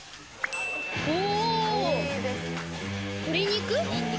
お鶏肉？